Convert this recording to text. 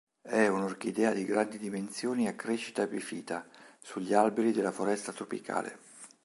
È un'orchidea di grandi dimensioni a crescita epifita, sugli alberi della foresta tropicale.